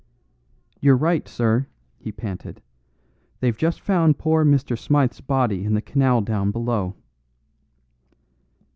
"You're right, sir," he panted, "they've just found poor Mr. Smythe's body in the canal down below."